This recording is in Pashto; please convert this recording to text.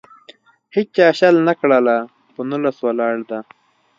هیچا شل نه کړله. په نولس ولاړه ده.